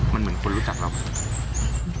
มันเหมือนคนรู้จักเรา